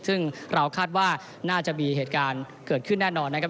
ซึ่งเราคาดว่าน่าจะมีเหตุการณ์เกิดขึ้นแน่นอนนะครับ